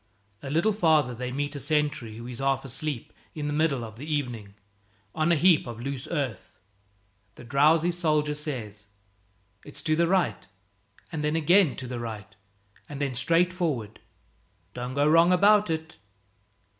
A little farther they meet a sentry who is half asleep in the middle of the evening on a heap of loose earth. The drowsy soldier says, "It's to the right, and then again to the right, and then straight forward. Don't go wrong about it."